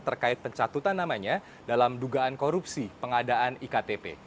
terkait pencatutan namanya dalam dugaan korupsi pengadaan iktp